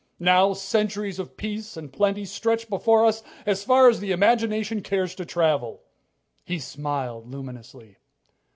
Now centuries of peace and plenty stretch before us as far as the imagination cares to travel." He smiled luminously.